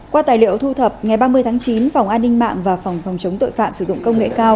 qua tài liệu thu thập ngày ba mươi tháng chín phòng an ninh mạng và phòng phòng chống tội phạm sử dụng công nghệ cao